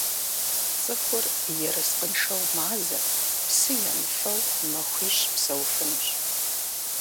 Цӏыхур ерыскъыншэу мазэ, псы емыфэу махуищ псэуфынущ.